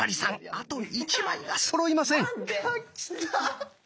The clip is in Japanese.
あと１枚がそろいません。